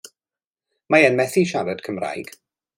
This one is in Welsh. Mae e'n methu siarad Cymraeg.